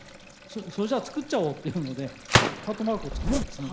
それじゃ作っちゃおうっていうのでハートマークを作ったんですね。